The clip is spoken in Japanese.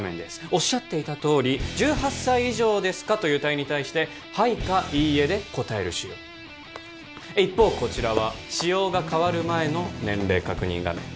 おっしゃっていたとおり「１８歳以上ですか？」という問いに対して「はい」か「いいえ」で答える仕様一方こちらは仕様が変わる前の年齢確認画面